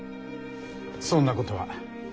そんなことは。